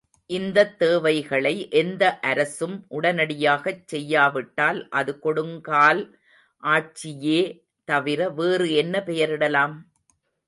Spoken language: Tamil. இந்தத் தேவைகளை எந்த அரசும் உடனடியாகச் செய்யாவிட்டால் அது கொடுங்கால் ஆட்சியே தவிர வேறு என்ன பெயரிடலாம்?